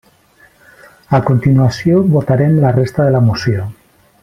A continuació votarem la resta de la moció.